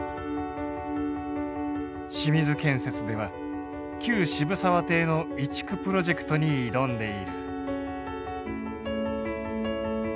清水建設では旧渋沢邸の移築プロジェクトに挑んでいる。